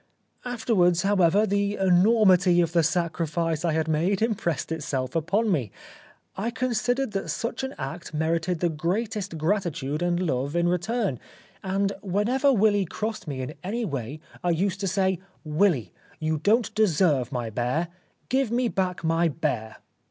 Afterwards, however, the enormity of the sacrifice I had made impressed itself upon me. I considered that such an act merited the greatest gratitude and love in return, and whenever Willy crossed me in any way I used to say :" Willy, you don't deserve my bear. Give me back my bear."